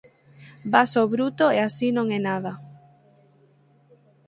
Vas ó bruto e así non é nada.